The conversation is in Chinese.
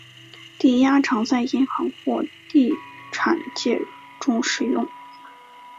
抵押常在银行或地产界中使用。